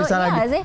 iya nggak sih